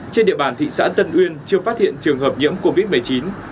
trên địa bàn thị xã tân uyên chưa phát hiện trường hợp nhiễm covid một mươi chín